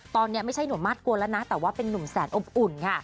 ตอนนี้ไม่ใช่หนุ่มมาสกวนแล้วนะแต่ว่าเป็นนุ่มแสนอบอุ่นค่ะ